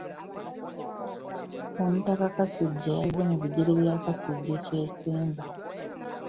Omutaka Kasujja yazze mu bigere bya Kasujja Kyesimba.